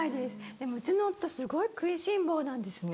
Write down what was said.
でもうちの夫すごい食いしん坊なんですね。